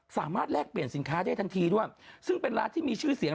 แลกเปลี่ยนสินค้าได้ทันทีด้วยซึ่งเป็นร้านที่มีชื่อเสียง